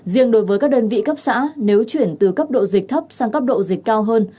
riêng đối với các đơn vị cấp xã nếu chuyển từ cấp độ dịch thấp sang cấp độ dịch cao hơn